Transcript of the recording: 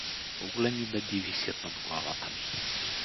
По-големи беди висят над главата ми.